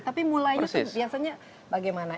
tapi mulainya biasanya bagaimana